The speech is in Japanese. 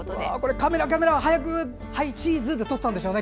カメラ、カメラ早くはい、チーズ！で撮ったんでしょうね。